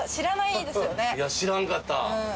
いや知らんかった。